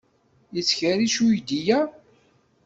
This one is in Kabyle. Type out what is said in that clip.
Yettkerric uydi-a?